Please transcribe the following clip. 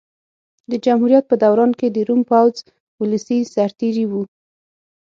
د جمهوریت په دوران کې د روم پوځ ولسي سرتېري وو